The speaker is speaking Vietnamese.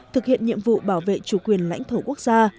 thực hiện nhiệm vụ bảo vệ chủ quyền lãnh thổ quốc gia